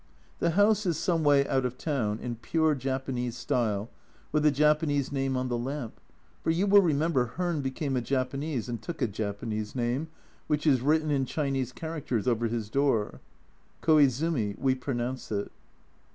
The house is some way out of town, in pure Japanese style, with a Japanese name on the lamp, for you will remember Hearn became a Japanese and took a Japanese name, which is written in Chinese characters over his door. " Koizumi," we pronounce it.